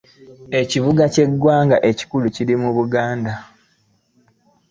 Ekibuga ky'eggwanga ekikulu kiri mu Buganda.